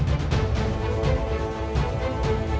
kita bisa mempelajari semuanya